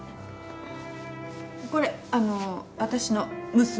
これあの私の娘。